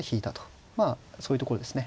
まあそういうところですね。